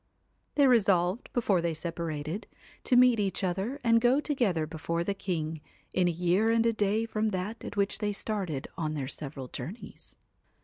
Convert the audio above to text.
They resolved, before they separated, to meet each other and go together before the king, in a year and a day from that at which they started on their several journeys.